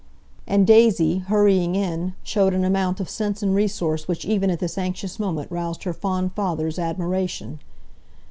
And Daisy, hurrying in, showed an amount of sense and resource which even at this anxious moment roused her fond father's admiration.